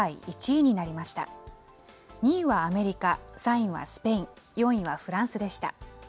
２位はアメリカ、３位はスペイン、４位はフランスでした。